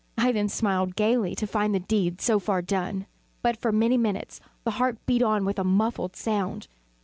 I then smiled gaily, to find the deed so far done. But, for many minutes, the heart beat on with a muffled sound.